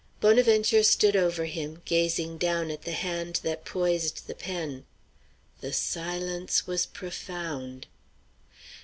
Bonaventure stood over him, gazing down at the hand that poised the pen. The silence was profound.